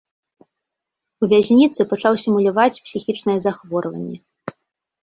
У вязніцы пачаў сімуляваць псіхічнае захворванне.